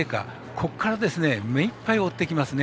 ここから目いっぱい追ってきますね。